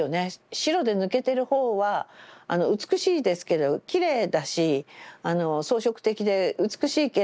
白で抜けてるほうは美しいですけどきれいだし装飾的で美しいけれど少し弱い。